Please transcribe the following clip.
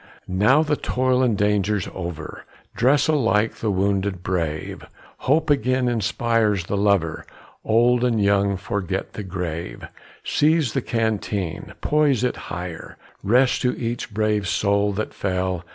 Now the toil and danger's over, Dress alike the wounded brave, Hope again inspires the lover, Old and young forget the grave; Seize the canteen, poise it higher, Rest to each brave soul that fell!